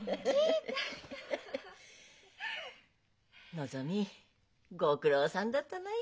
のぞみご苦労さんだったない。